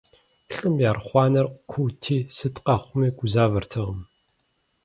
ЛӀым и архъуанэр куути, сыт къэхъуми гузавэртэкъым.